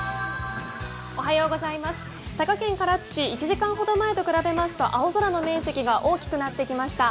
佐賀県唐津市、１時間ほど前と比べますと、青空の面積が大きくなってきました。